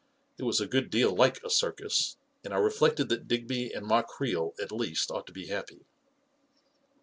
It was a good deal like a circus, and I reflected that Digby and Ma Creel, at least, ought to be happy